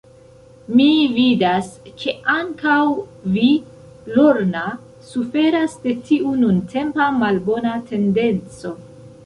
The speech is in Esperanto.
Mi vidas, ke ankaŭ vi, Lorna, suferas de tiu nuntempa, malbona tendenco.